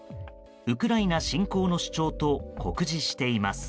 ウクライナ侵攻の主張と酷似しています。